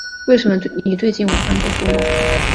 为什么你最近晚上都作梦